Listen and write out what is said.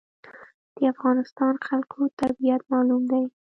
د افغانستان خلکو طبیعت معلوم دی.